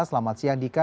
selamat siang dika